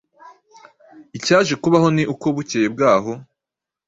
Icyaje kubaho ni uko bukeye bwaho